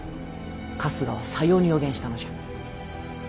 春日はさように予言したのじゃ。